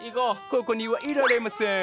ここにはいられません。